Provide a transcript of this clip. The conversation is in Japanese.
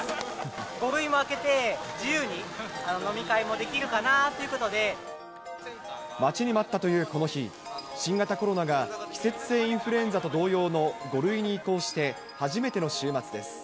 ５類も明けて、自由に飲み会待ちに待ったというこの日、新型コロナが季節性インフルエンザと同様の５類に移行して初めての週末です。